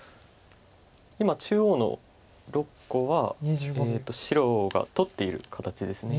今中央の６個は白が取っている形です。